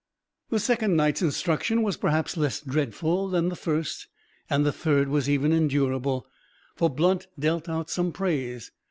The second night's instruction was perhaps less dreadful than the first; and the third was even endurable, for Blunt dealt out some praise.